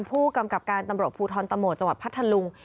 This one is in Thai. ผู้กำกับการตำรวจภูทรตะโหมดจังหวัดพัทธลุง